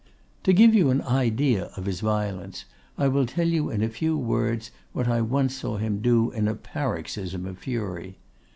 "To give you an idea of his violence, I will tell you in a few words what I once saw him do in a paroxysm of fury.